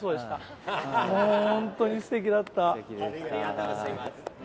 ありがとうございます。